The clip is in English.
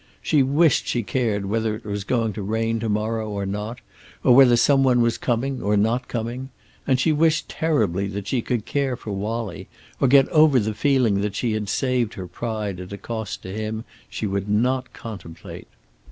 She wished she cared whether it was going to rain to morrow or not, or whether some one was coming, or not coming. And she wished terribly that she could care for Wallie, or get over the feeling that she had saved her pride at a cost to him she would not contemplate.